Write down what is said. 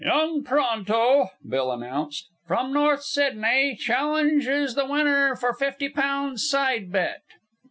"Young Pronto," Bill announced, "from North Sydney, challenges the winner for fifty pounds side bet."